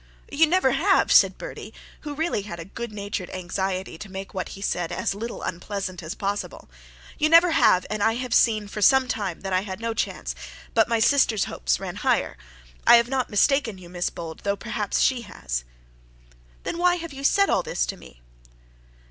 'You never have,' said Bertie, who really had a good natured anxiety to make what he said as little unpleasant as possible. 'You never have, and I have seen for some time that I had no chance; but my sister's hopes ran higher. I have not mistaken you, Mrs Bold, though perhaps she has.' 'Then why have you said all this to me?'